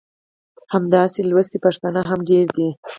همداسې لوستي پښتانه هم ډېر دي.